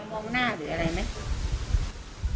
มองหน้าหรืออะไรไหม